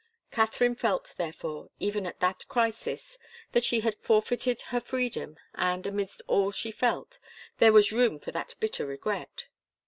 Katharine felt, therefore, even at that crisis, that she had forfeited her freedom, and, amidst all she felt, there was room for that bitter regret.